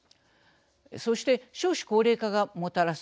そして、少子高齢化がもたらす